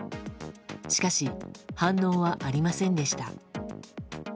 しかし、反応はありませんでした。